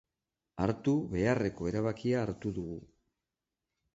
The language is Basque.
Hartu beharreko erabakia hartu dugu.